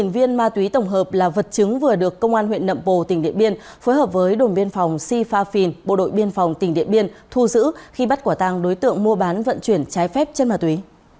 một mươi viên ma túy tổng hợp là vật chứng vừa được công an huyện nậm bồ tỉnh điện biên phối hợp với đồn biên phòng sipha phìn bộ đội biên phòng tỉnh điện biên thu giữ khi bắt quả tàng đối tượng mua bán vận chuyển trái phép trên ma túy